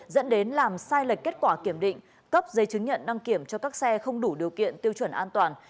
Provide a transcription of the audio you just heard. dẫn đến làm sai lệch kết quả kiểm định cấp giấy chứng nhận đăng kiểm cho các xe không đủ điều kiện tiêu chuẩn an toàn